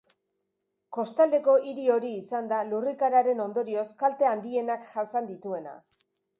Kostaldeko hiri hori izan da lurrikararen ondorioz kalte handienak jasan dituena.